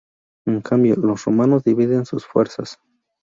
En cambio, los romanos dividen sus fuerzas.